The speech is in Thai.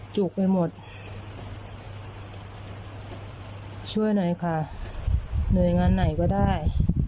จุกไปหมดช่วยหน่อยค่ะหน่วยงานไหนก็ได้